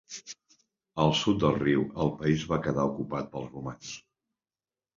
Al sud del riu el país va quedar ocupat pels romans.